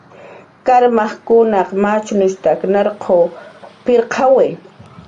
Karmajkunaq machnushtak narquw pirqshuwi